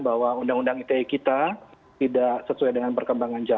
bahwa undang undang ite kita tidak sesuai dengan perkembangannya